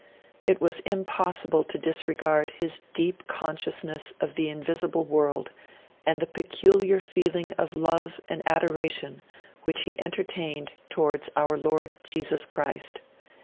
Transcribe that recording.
It was impossible to disregard his 'deep consciousness of the invisible world' and 'the peculiar feeling of love and adoration which he entertained towards our Lord Jesus Christ'.